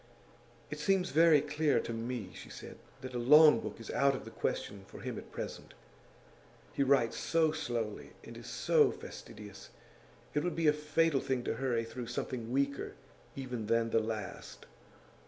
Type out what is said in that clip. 'It seems very clear to me,' she said, 'that a long book is out of the question for him at present. He writes so slowly, and is so fastidious. It would be a fatal thing to hurry through something weaker even than the last.